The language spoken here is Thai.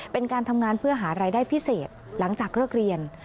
เป็นการทำงานเพื่อหารายได้พิเศษหลังจากเลิกเรียน